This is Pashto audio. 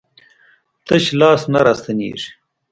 تش لاس نه راستنېږي.